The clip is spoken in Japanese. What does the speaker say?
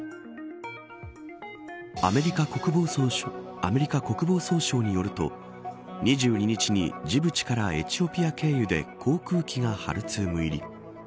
アメリカ国防総省によると２２日にジブチからエチオピア経由で航空機がハルツーム入り。